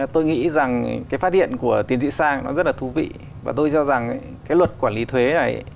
tôi nghĩ rằng cái phát điện của tiến sĩ sang nó rất là thú vị và tôi cho rằng cái luật quản lý thuế này